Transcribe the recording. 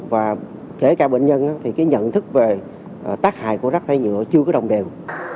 và kể cả bệnh nhân thì cái nhận thức về tác hại của rác thải nhựa chưa có đồng đều